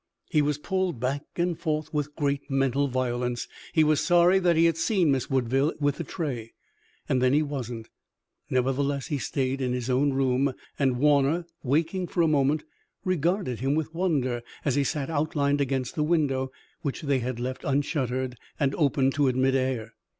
He was pulled back and forth with great mental violence. He was sorry that he had seen Miss Woodville with the tray. And then he wasn't. Nevertheless, he stayed in his own room, and Warner, waking for a moment, regarded him with wonder as he sat outlined against the window which they had left unshuttered and opened to admit air.